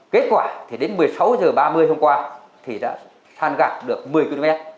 kết quả thì đến một mươi sáu h ba mươi hôm qua thì đã than gạt được một mươi km